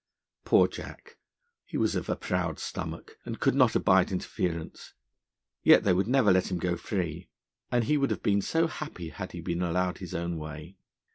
Poor Jack, he was of a proud stomach, and could not abide interference; yet they would never let him go free. And he would have been so happy had he been allowed his own way.